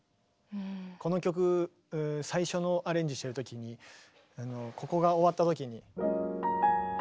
この曲最初のアレンジしてるときにここが終わったときに。